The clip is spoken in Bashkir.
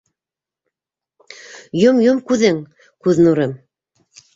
Йом-йом күҙең, күҙ нурым.